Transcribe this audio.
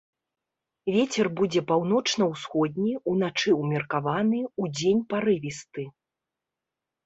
Вецер будзе паўночна-ўсходні, уначы ўмеркаваны, удзень парывісты.